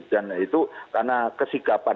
dan itu karena kesikapan